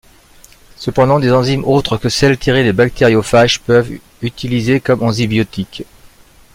Cependant des enzymes autres que celles tirées des bactériophages peuvent utilisées comme enzybiotiques.